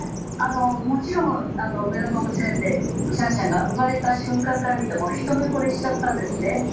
もちろん上野動物園でシャンシャンが生まれた瞬間から見て、一目ぼれしちゃったんですね。